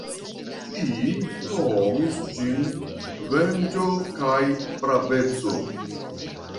Mi nomis ĝin venĝo kaj praveco!